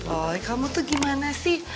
oh kamu tuh gimana sih